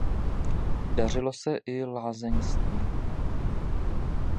Dařilo se i lázeňství.